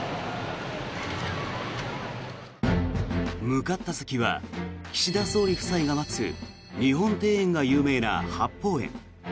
向かった先は岸田総理夫妻が待つ日本庭園が有名な八芳園。